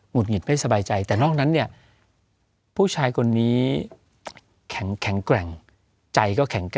งุ่นหงิดไม่สบายใจ